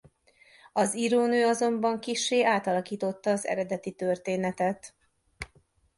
Az írónő azonban kissé átalakította az eredeti történetet.